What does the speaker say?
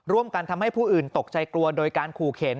ทำให้ผู้อื่นตกใจกลัวโดยการขู่เข็น